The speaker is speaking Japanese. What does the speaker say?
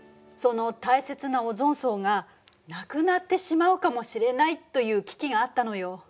その大切なオゾン層がなくなってしまうかもしれないという危機があったのよ。